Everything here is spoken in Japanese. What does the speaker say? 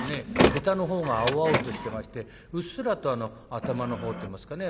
へたの方が青々としてましてうっすらと頭の方といいますかね